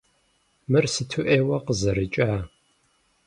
Мыр сыту ӏейуэ къызэрыкӏа!